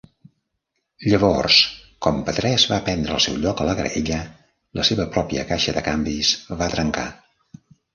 Llavors, com Patrese va prendre el seu lloc a la graella, la seva pròpia caixa de canvis va trencar.